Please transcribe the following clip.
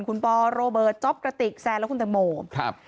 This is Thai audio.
คุณปอโรเบิร์ตจ๊อปกระติกแซนและคุณตังโมครับ